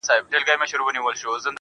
خو د دین په جامه کې